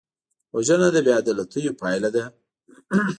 وژنه د بېعدالتیو پایله ده